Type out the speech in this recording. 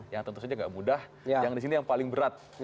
yang tentu saja nggak mudah yang di sini yang paling berat